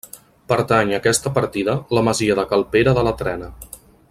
Pertany a aquesta partida la masia de Cal Pere de la Trena.